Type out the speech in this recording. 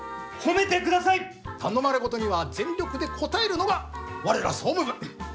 頼まれ事には全力で応えるのが我ら総務部。